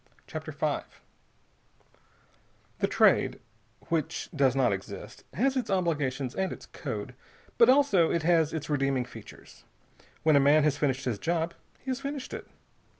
CHAPTER V The Trade which does not exist has its obligations and its code, but also it has its redeeming features. When a man has finished his job, he has finished it.